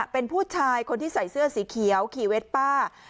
เป็นผู้ชายคนที่ใส่เสื้อสีเขียวขี่เวสป้า